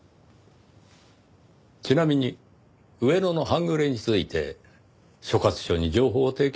ちなみに上野の半グレについて所轄署に情報を提供したのは。